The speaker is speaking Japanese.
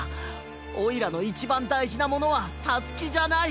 おいらのいちばんだいじなものはタスキじゃない。